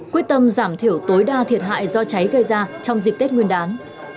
quyết tâm giảm thiểu tối đa thiệt hại do cháy gây ra trong dịp tết nguyên đán